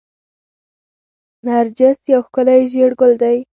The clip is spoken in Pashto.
نرجس یو ښکلی ژیړ ګل دی